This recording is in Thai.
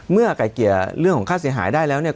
ไก่เกลี่ยเรื่องของค่าเสียหายได้แล้วเนี่ย